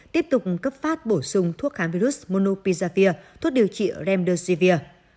tiếp tục cấp phát bổ sung thuốc khám virus monopizavir thuốc điều trị remdesivir